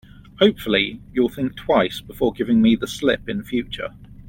Hopefully, you'll think twice before giving me the slip in future.